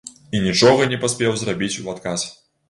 І нічога не паспеў зрабіць у адказ.